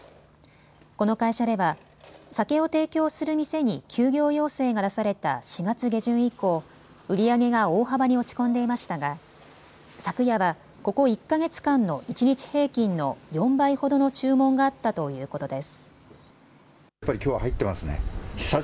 この会社では酒を提供する店に休業要請が出された４月下旬以降、売り上げが大幅に落ち込んでいましたが昨夜は、ここ１か月間の一日平均の４倍ほどの注文があったということです。